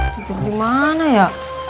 duduk dimana ya